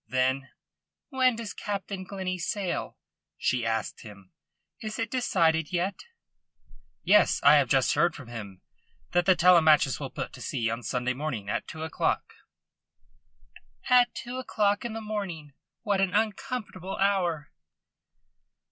Then: "When does Captain Glennie sail?" she asked him. "Is it decided yet?" "Yes. I have just heard from him that the Telemachus will put to sea on Sunday morning at two o'clock." "At two o'clock in the morning! What an uncomfortable hour!"